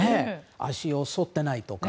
足をそってないとか。